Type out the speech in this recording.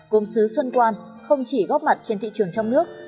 gốm xứ xuân quan không chỉ góp mặt trên thị trường trong nước